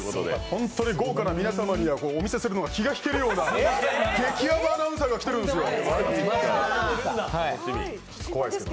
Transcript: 本当に豪華な皆様にお見せするのは気が引けるような激ヤバアナウンサーが来てるんですよ。